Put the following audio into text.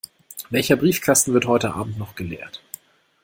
Welcher Briefkasten wird heute Abend noch geleert?